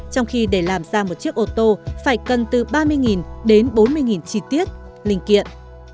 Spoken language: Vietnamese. trong khi để làm ra một chiếc ô tô phải cần từ ba mươi đến bốn mươi chi tiết linh kiện